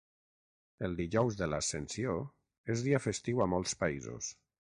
El dijous de l'Ascensió és dia festiu a molts països.